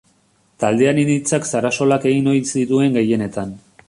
Taldearen hitzak Sarasolak egin ohi zituen gehienetan.